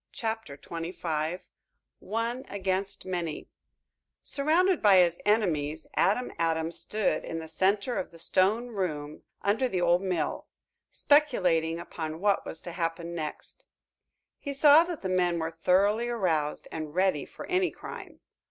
CHAPTER XXIV ONE AGAINST MANY Surrounded by his enemies, Adam Adams stood in the center of the stone room under the old mill, speculating upon what was to happen next. He saw that the men were thoroughly aroused and ready for any crime.